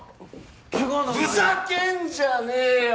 ケガふざけんじゃねえよ！